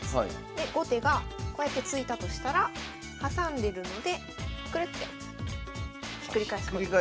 で後手がこうやって突いたとしたら挟んでるのでクルッてひっくり返すことが。